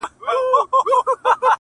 د زړگي ښار ته مي لړم د لېمو مه راوله’